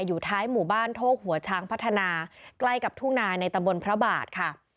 อยู่ท้ายหมู่บ้านโทกหัวช้างพัฒนาใกล้กับทุ่งนาในตำบลพระบาทค่ะ